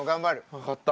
分かった。